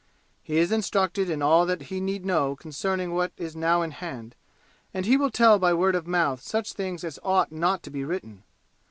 He is instructed in all that he need know concerning what is now in hand, and he will tell by word of mouth such things as ought not to be written.